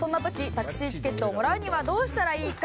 タクシーチケットをもらうにはどうしたらいいか？